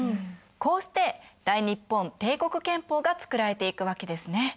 こうして大日本帝国憲法が作られていくわけですね。